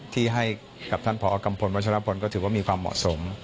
ที่ให้กับท่านพอกัมพลวัชรพลก็ถือว่ามีความเหมาะสม